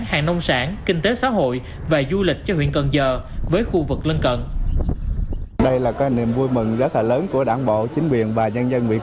hàng nông sản kinh tế xã hội và du lịch cho huyện cần giờ với khu vực lân cận